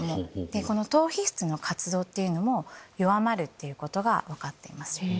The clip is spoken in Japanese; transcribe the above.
この島皮質の活動っていうのも弱まることが分かっています。